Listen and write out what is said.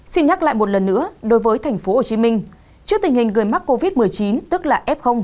xin nhắc lại một lần nữa đối với tp hcm trước tình hình người mắc covid một mươi chín tức là f một